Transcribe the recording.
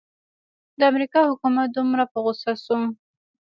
د امریکا حکومت دومره په غوسه شو.